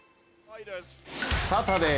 サタデー。